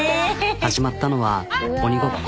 始まったのは鬼ごっこ。